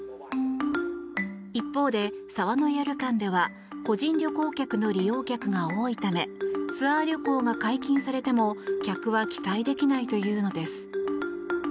一方で澤の屋旅館では個人旅行客の利用客が多いためツアー旅行が解禁されても客は期待できないというのです。